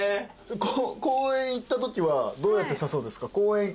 公園行ったときはどうやって誘うんですか？